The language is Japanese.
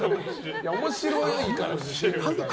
面白いから。